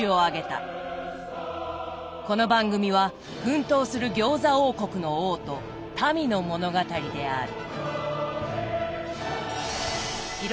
この番組は奮闘する餃子王国の王と民の物語である。